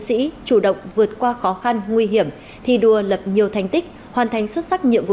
sĩ chủ động vượt qua khó khăn nguy hiểm thi đua lập nhiều thành tích hoàn thành xuất sắc nhiệm vụ